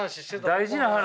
大事な話？